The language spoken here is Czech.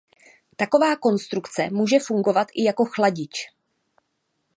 Taková konstrukce může fungovat i jako chladič.